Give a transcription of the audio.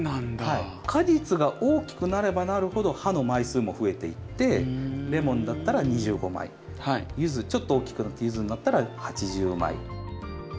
果実が大きくなればなるほど葉の枚数も増えていってレモンだったら２５枚ちょっと大きくなってユズになったら８０枚。